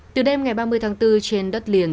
từ đêm ngày ba mươi tháng bốn trên đất liền